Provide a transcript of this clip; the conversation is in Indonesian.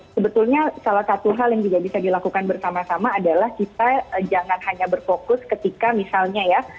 sebetulnya salah satu hal yang juga bisa dilakukan bersama sama adalah kita jangan hanya berfokus ketika misalnya ya